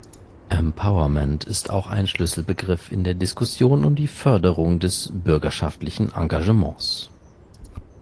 Empowerment ist auch ein Schlüsselbegriff in der Diskussion um die Förderung des bürgerschaftlichen Engagements.